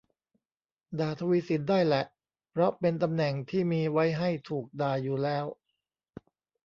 ด่าทวีศิลป์ได้แหละ เพราะเป็นตำแหน่งที่มีไว้ให้ถูกด่าอยู่แล้ว